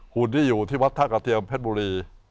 หุ่นที่อยู่ที่วัดท่ากระเทียมเพชรบุรี